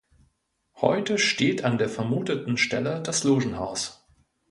Heute steht an der vermuteten Stelle das Logenhaus.